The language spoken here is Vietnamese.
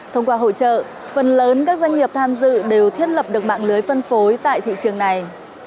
thông qua hội trợ phần lớn các doanh nghiệp tham dự đều thiết lập được mạng lưới phân phối tại thị trường này